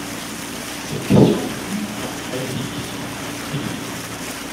Cette question du cumul emploi-retraite est difficile, délicate.